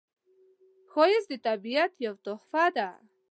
ښایست د طبیعت یوه تحفه ده